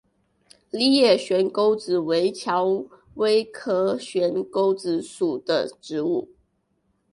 梨叶悬钩子为蔷薇科悬钩子属的植物。